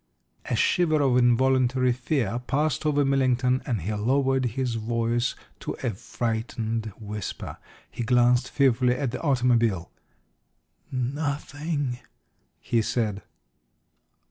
A shiver of involuntary fear passed over Millington, and he lowered his voice to a frightened whisper. He glanced fearfully at the automobile. "Nothing!" he said.